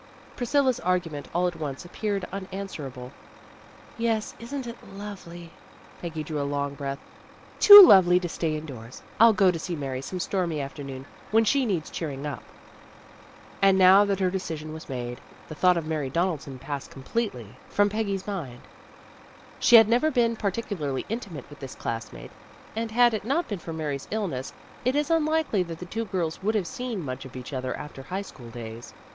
Priscilla 's argument all at once appeared unanswerable. "Yes, isn't it lovely!" Peggy drew a long breath. "Too lovely to stay indoors. I'll go to see Mary some stormy afternoon when she needs cheering up." And now that her decision was made, the thought of Mary Donaldson passed completely 24 PEGGY RAYMOND'S WAY from Peggy's mind. She had never been par ticularly intimate with this class mate, and had it not been for Mary's illness it is unlikely that the two girls would have seen much of each other after high school days.